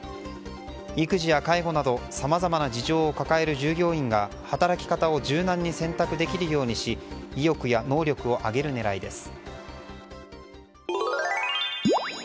育児や介護などさまざまな事情を抱える従業員が働き方を柔軟に選択できるようにし意欲や能力を上げる狙いです。